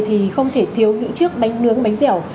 thì không thể thiếu những chiếc bánh nướng bánh dẻo